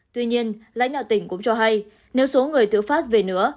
tuy nhiên lãnh đạo tỉnh cũng cho hay nếu số người tự phát về nữa